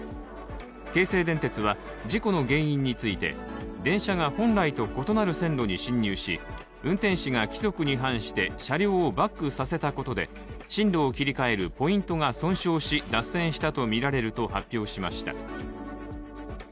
京成電鉄は事故の原因について電車が本来と異なる線路に進入し運転士が規則に反して車両をバックさせたことで進路を切り替えるポイントが損傷し脱線したとみられると発表しました。